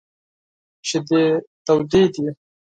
شیدې تودې دي !